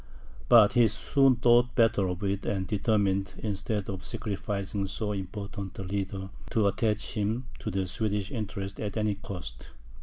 But he soon thought better of it, and determined, instead of sacrificing so important a leader, to attach him to the Swedish interests at any cost.